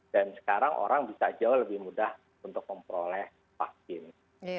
dan sekarang orang bisa jauh lebih mudah untuk memperoleh vaksin